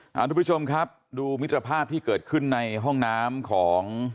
คุณผู้ชมครับดูมิตรภาพที่เกิดขึ้นในห้องน้ำของ